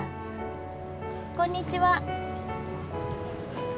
こんにちは。